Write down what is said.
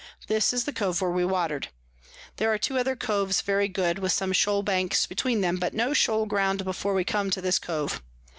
This is the Cove where we water'd. There are two other Coves very good, with some Shoal Banks between them, but no Shoal Ground before we come to this Cove.